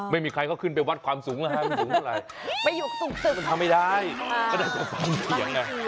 ไม่มีใครขึ้นไปวัดความสุ่มหรือไม่มีใครสูงแบบไม่อยี่สุ่มสุ่มทำไมได้